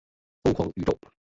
疯狂宇宙